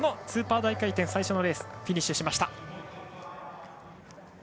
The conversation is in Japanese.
スーパー大回転最初のレースフィニッシュしました。